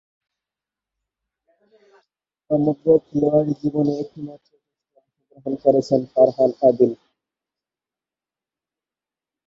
সমগ্র খেলোয়াড়ী জীবনে একটিমাত্র টেস্টে অংশগ্রহণ করেছেন ফারহান আদিল।